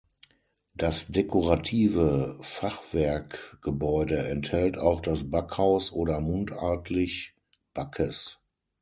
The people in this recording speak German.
Das dekorative Fachwerkgebäude enthält auch das Backhaus oder mundartlich Backes.